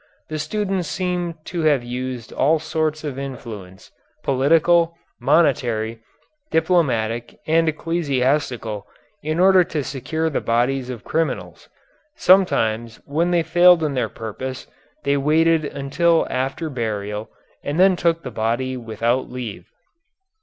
The students seem to have used all sorts of influence, political, monetary, diplomatic, and ecclesiastical, in order to secure the bodies of criminals. Sometimes when they failed in their purpose they waited until after burial and then took the body without leave.